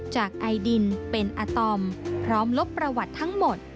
จากไอดินเป็นอาตอมพร้อมลบประวัติทั้งหมด